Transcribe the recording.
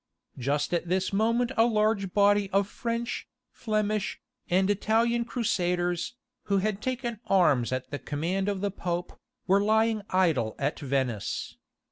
Just at this moment a large body of French, Flemish, and Italian Crusaders, who had taken arms at the command of the Pope, were lying idle at Venice.